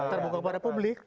terbuka pada publik